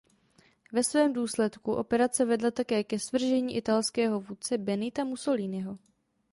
Ve svém důsledku operace vedla také ke svržení italského vůdce Benita Mussoliniho.